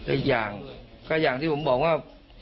อีกอย่างก็อย่างที่ผมบอกว่า